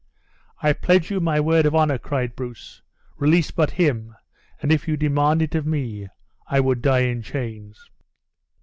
"I pledge you my word of honor," cried Bruce; "release but him, and, if you demand it of me, I would die in chains."